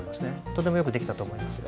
とてもよくできたと思いますよ。